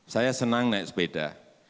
saya senang naik sepeda